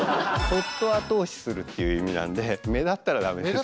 そっと後押しするっていう意味なんで目立ったらダメですよ。